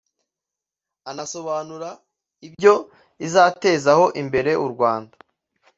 anasobanura ibyo izatezaho imbere u Rwanda